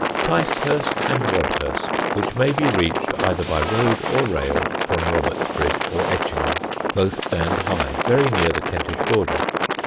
[Sidenote: THE HAWKHURST GANG] Ticehurst and Wadhurst, which may be reached either by road or rail from Robertsbridge or Etchingham, both stand high, very near the Kentish border.